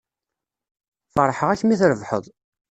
Feṛḥeɣ-ak mi trebḥeḍ.